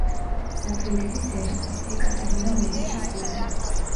საფრანგეთის დედოფლის, ეკატერინე მედიჩის დედა.